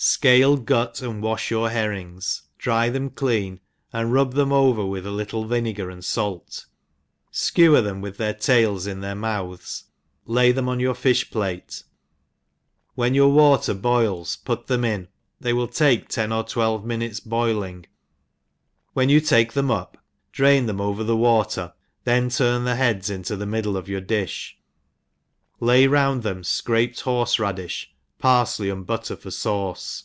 SCALE^ gut, and wafli your herrings, dry ^hem clean, and rub them oVer with a little vinegar and fait, fkewer them with their tails in their mouths, lay them oil your fiih plate, when your water bolls put them in, they will bkc ten or twelve minutes boiling, when you take them up, drain them over the water, then turn the heads into the middle of your dilbj lay round them (craped horfe radifh, pariley and butter for faUce.